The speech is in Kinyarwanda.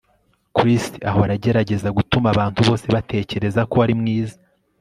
Chris ahora agerageza gutuma abantu bose batekereza ko ari mwiza